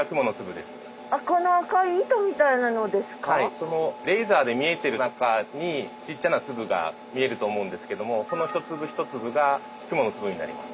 そのレーザーで見えてる中にちっちゃな粒が見えると思うんですけどもその一粒一粒が雲の粒になります。